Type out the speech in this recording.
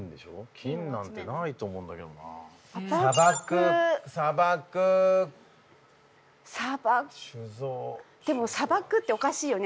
金なんてないと思うんだけどな砂漠砂漠砂漠酒蔵でも砂漠っておかしいよね